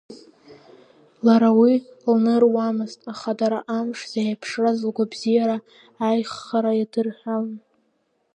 Лара уи лныруамызт, аха дара амш зеиԥшраз лгәабзиара аиӷьхара иадырҳәалон.